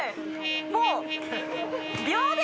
もう。